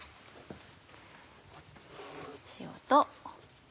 塩と。